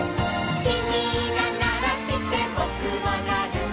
「きみがならしてぼくもなる」